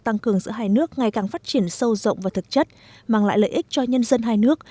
tăng cường giữa hai nước ngày càng phát triển sâu rộng và thực chất mang lại lợi ích cho nhân dân hai nước